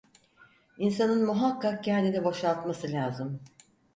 İnsanın muhakkak kendini boşaltması lazım…